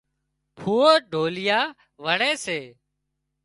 ڦوئو ڍوليا وڻي سي